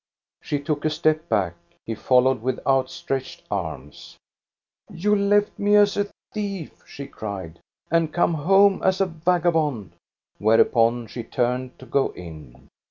She took a step back; he followed with out stretched arms. " You left me as a thief," she cried, " and come home as a vagabond." Whereupon she turned to go in.